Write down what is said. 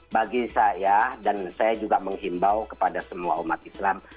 bagi saya dan saya juga menghimbau kepada semua umat islam